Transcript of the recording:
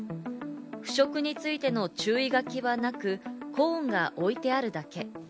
腐食についての注意書きはなく、コーンが置いてあるだけ。